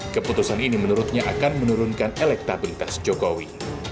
keputusan ini menurutnya akan menurunkan elektabilitas jokowi